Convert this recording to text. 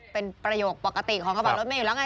เป็นประโยคปกติของกระเป๋ารถเมย์อยู่แล้วไง